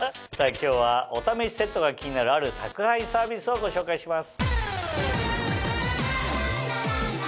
今日はおためしセットが気になるある宅配サービスをご紹介します。